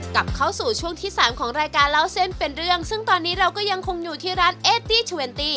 กลับเข้าสู่ช่วงที่สามของรายการเล่าเส้นเป็นเรื่องซึ่งตอนนี้เราก็ยังคงอยู่ที่ร้านเอตี้เทอร์เวนตี้